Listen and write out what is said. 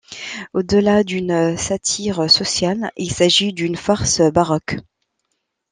Au-delà d'une satire sociale, il s'agit d'une farce baroque.